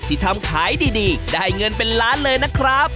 ที่ทำขายดีได้เงินเป็นล้านเลยนะครับ